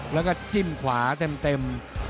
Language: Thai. แล้วก็จิ้มขวาเต็ม